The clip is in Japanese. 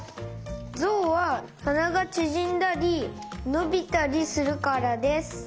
ゾウははながちぢんだりのびたりするからです。